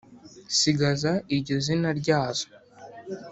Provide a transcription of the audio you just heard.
Sigagaza iryo zina ryazo